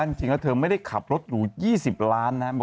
แล้วบอกว่าจริงเธอไม่ได้ขับรถหรู๒๐ล้านนะครับ